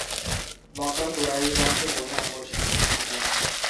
মক্কার কুরাইশ বংশের Banu Amr শাখার সন্তান।